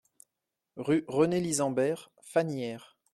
Rue René Lisambert, Fagnières